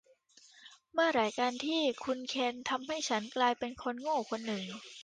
เมื่อไหร่กันที่คุณเคนทำให้ฉันกลายเป็นคนโง่คนหนึ่ง